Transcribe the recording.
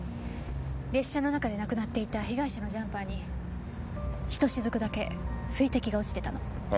列車の中で亡くなっていた被害者のジャンパーに一滴だけ水滴が落ちてたの。